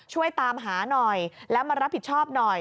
ช่วยตามหาหน่อยแล้วมารับผิดชอบหน่อย